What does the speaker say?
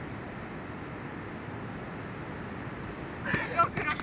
６６。